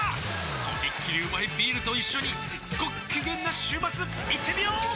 とびっきりうまいビールと一緒にごっきげんな週末いってみよー！